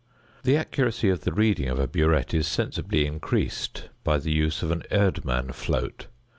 The accuracy of the reading of a burette is sensibly increased by the use of an Erdmann float.